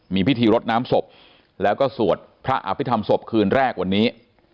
มีพิธีรดน้ำศพแล้วก็สวดพระอภิษฐรรมศพคืนแรกวันนี้